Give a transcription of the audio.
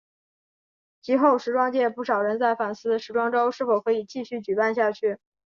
及后时装界不少人在反思时装周是否可以继续举办下去。